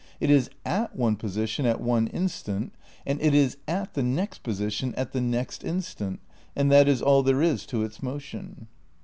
It is at one position at one instant and it is at the 'next' position at the 'next' instant and that is all there is to its motion."